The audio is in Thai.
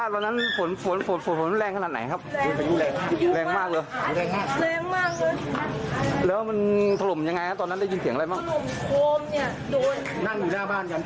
แล้วมันถลุมอย่างไรตอนนั้นได้ยินเสียงอะไรปะ